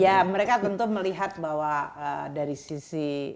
ya mereka tentu melihat bahwa dari sisi kesiapan indonesia kondisi perekonomianya